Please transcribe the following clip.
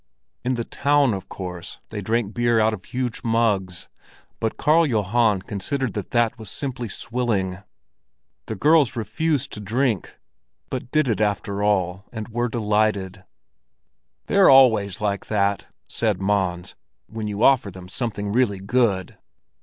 In the town, of course, they drank beer out of huge mugs, but Karl Johan considered that that was simply swilling. The girls refused to drink, but did it after all, and were delighted. "They're always like that," said Mons, "when you offer them something really good."